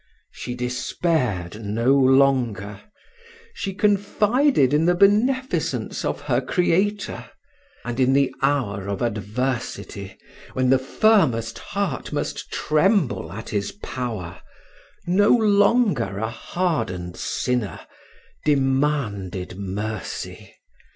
She despaired no longer She confided in the beneficence of her Creator; and, in the hour of adversity, when the firmest heart must tremble at his power, no longer a hardened sinner, demanded mercy.